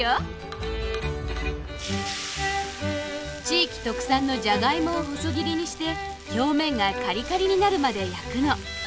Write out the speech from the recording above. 地域特産のジャガイモを細切りにして表面がカリカリになるまで焼くの。